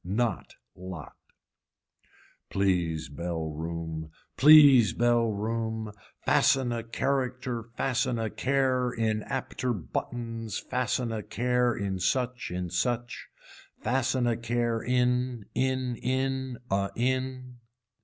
Knot lot. Please bell room please bell room fasten a character fasten a care in apter buttons fasten a care in such, in such. Fasten a care in, in in a in.